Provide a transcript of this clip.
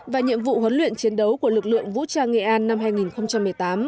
và nhiệm vụ huấn luyện chiến đấu của lực lượng vũ trang nghệ an năm hai nghìn một mươi tám